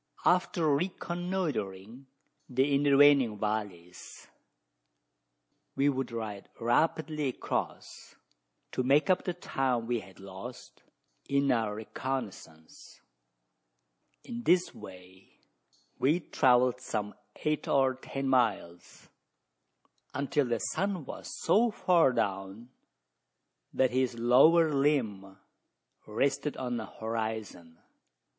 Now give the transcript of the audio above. After reconnoitring the intervening valleys, we would ride rapidly across, to make up the time we had lost in our reconnoissance. In this way we had travelled some eight or ten miles until the sun was so far down, that his lower limb rested on the horizon.